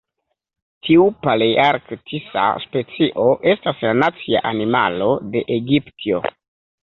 Tiu palearktisa specio estas la nacia animalo de Egiptio.